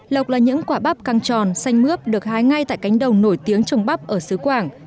lộc là những quả bắp căng tròn xanh mướp được hái ngay tại cánh đồng nổi tiếng trồng bắp ở xứ quảng